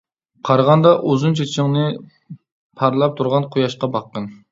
تارىغاندا ئۇزۇن چېچىڭنى، پارلاپ تۇرغان قۇياشقا باققىن.